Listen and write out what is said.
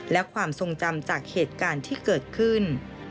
และความทรงจำจากเหตุการณ์ที่เกิดขึ้น